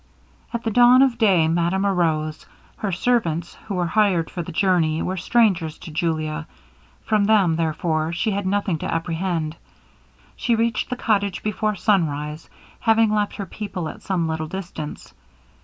At the dawn of day madame arose. Her servants, who were hired for the journey, were strangers to Julia: from them, therefore, she had nothing to apprehend. She reached the cottage before sunrise, having left her people at some little distance.